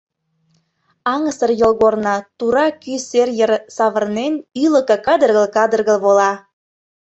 Аҥысыр йолгорно, тура кӱ сер йыр савырнен, ӱлыкӧ кадыргыл-кадыргыл вола.